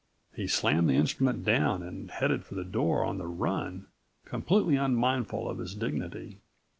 He slammed the instrument down and headed for the door on the run, completely unmindful of his dignity.